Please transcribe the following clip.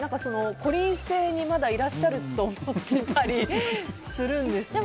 こりん星にまだいらっしゃると思ってたりするんですかね？